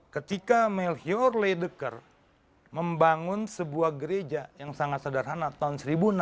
ketika melchior ledeker membangun sebuah gereja yang sangat sederhana tahun seribu enam ratus tujuh puluh delapan